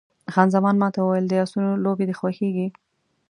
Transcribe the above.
خان زمان ما ته وویل، د اسونو لوبې دې خوښېږي؟